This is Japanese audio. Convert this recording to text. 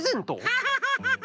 ハハハハハ！